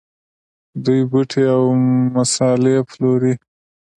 دوی بوټي او مسالې پلوري.